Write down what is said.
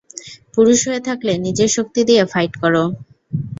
পুরুষ হয়ে থাকলে নিজের শক্তি দিয়ে ফাইট কর!